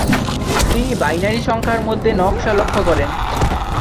তিনি বাইনারি সংখ্যার মধ্যে নকশা লক্ষ্য করেন।